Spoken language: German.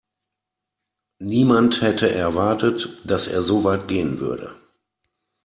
Niemand hätte erwartet, dass er so weit gehen würde.